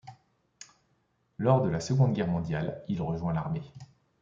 Lors de la Seconde Guerre mondiale, il rejoint l'armée.